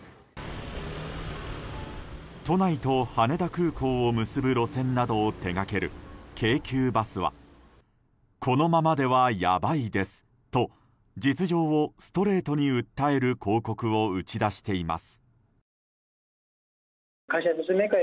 都内と羽田空港を結ぶ路線などを手掛ける京急バスは「このままではヤバいです」と実情をストレートに訴える広告を打ち出しています。